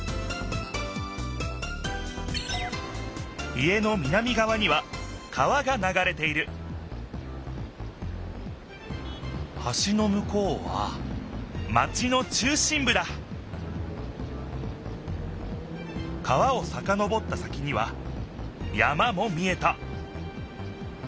家の南がわには川がながれているはしのむこうはマチの中心ぶだ川をさかのぼった先には山も見えた